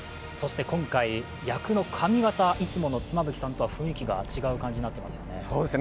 今回、役の髪形、いつもの妻夫木さんとは違う感じになっていますね。